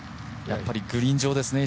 やっぱりグリーン上ですね